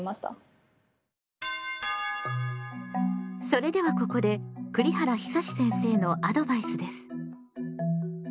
それではここで栗原久先生のアドバイスです。